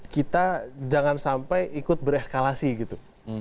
kita jangan sampai ikut bereskalasi gitu